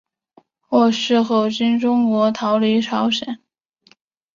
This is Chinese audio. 获释后经中国逃离朝鲜。